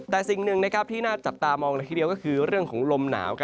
แต่สิ่งหนึ่งที่น่าจับตามองละทีเดียวก็คือเรื่องของลมหนาว